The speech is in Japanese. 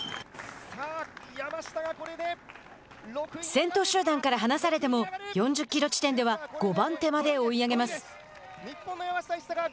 先頭集団から離されても４０キロ地点では５番手まで追い上げます。